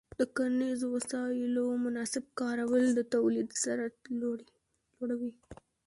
د کرنیزو وسایلو مناسب کارول د تولید سرعت لوړوي.